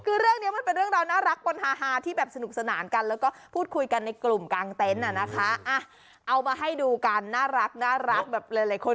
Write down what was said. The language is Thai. คือเรื่องนี้มันเป็นเรื่องร้อน่ารัก